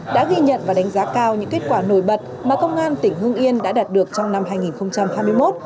đã ghi nhận và đánh giá cao những kết quả nổi bật mà công an tỉnh hương yên đã đạt được trong năm hai nghìn hai mươi một